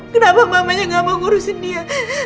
kenapa mamanya gak mau ngurusin dia